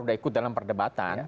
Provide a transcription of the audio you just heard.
sudah ikut dalam perdebatan